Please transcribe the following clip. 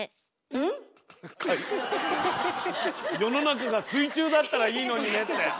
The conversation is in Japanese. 世の中が水中だったらいいのにねって。